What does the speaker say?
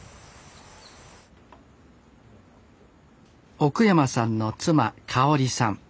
奥山さんの妻かおりさん